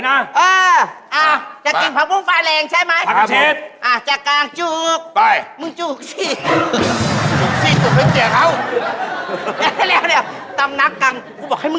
น้ำมันหอยน้ำมันหลวกไง